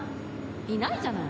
いないじゃない。